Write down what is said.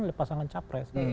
oleh pasangan capres